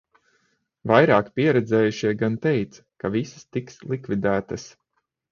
Vairāk pieredzējušie gan teica, ka visas tiks likvidētas.